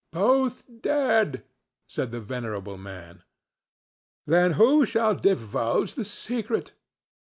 "Both dead!" said the venerable man. "Then who shall divulge the secret?